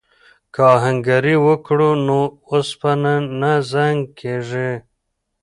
که آهنګري وکړو نو اوسپنه نه زنګ کیږي.